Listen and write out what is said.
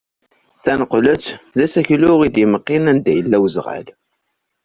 Tanqelt d aseklu i d-imeqqin anda yella uzɣal.